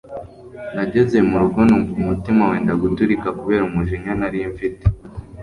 nageze murugo numva umutima wenda guturika kubera umujinya nari mfite